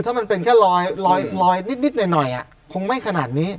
ถ้ามันเป็นแค่ลอยนิดหน่อยคงไม่ขนาดนี้